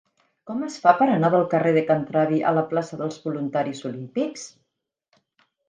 Com es fa per anar del carrer de Can Travi a la plaça dels Voluntaris Olímpics?